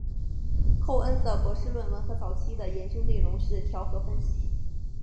寇恩的博士论文和早期的研究内容是调和分析。